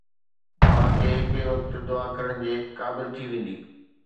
توهان کي هڪ ئي وقت دعا ڪرڻ جي قابل ٿي ويندي